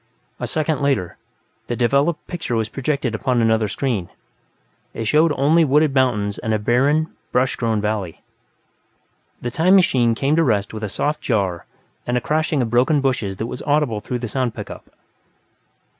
A second later, the developed picture was projected upon another screen; it showed only wooded mountains and a barren, brush grown valley. The "time machine" came to rest with a soft jar and a crashing of broken bushes that was audible through the sound pickup.